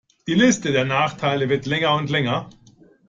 Die Liste der Nachteile wird länger und länger.